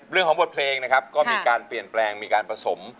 บทเพลงนะครับก็มีการเปลี่ยนแปลงมีการผสม